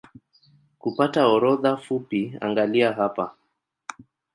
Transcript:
Kupata orodha fupi angalia hapa